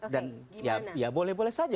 dan ya boleh boleh saja